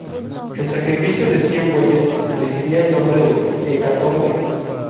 El sacrificio de cien bueyes recibía el nombre de "hecatombe".